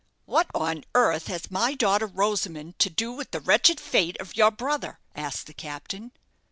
"What on earth has my daughter Rosamond to do with the wretched fate of your brother?" asked the captain.